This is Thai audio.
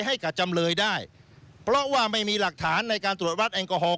จำเลยได้เพราะว่าไม่มีหลักฐานในการตรวจวัดแอลกอฮอล